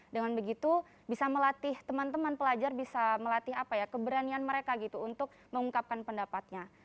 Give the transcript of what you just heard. dengan begitu bisa melatih teman teman pelajar bisa melatih apa ya keberanian mereka gitu untuk mengungkapkan pendapatnya